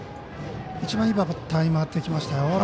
一番いいバッターに回ってきましたよ。